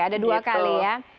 ada dua kali ya